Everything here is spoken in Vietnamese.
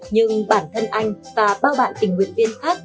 nhưng bản thân anh và bao bạn tình nguyện viên khác